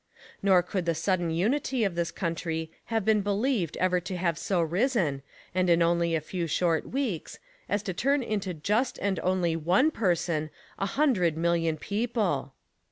Nor could the sudden unity of this country have been believed ever to have so risen, and in only a few short weeks, as to turn into just and only ONE per son a hundred MILLION PEOPLE.